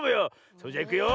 それじゃいくよ。